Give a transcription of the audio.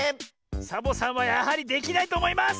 サボさんはやはりできないとおもいます！